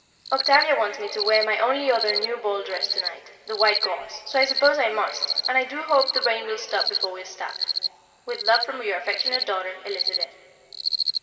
Octavia wants me to wear my only other new ball dress to night, the white gauze, so I suppose I must, and I do hope the rain will stop before we start. With love from your affectionate daughter, Elizabeth.